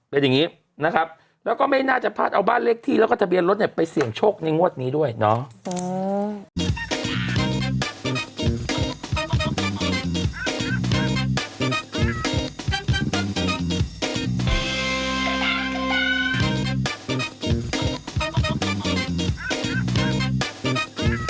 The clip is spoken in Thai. เป็นอย่างนี้นะครับแล้วก็ไม่น่าจะพลาดเอาบ้านเลขที่แล้วก็ทะเบียนรถเนี่ยไปเสี่ยงโชคในงวดนี้ด้วยเนาะ